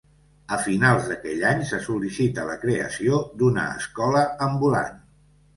A finals d'aquell any se sol·licita la creació d'una escola ambulant.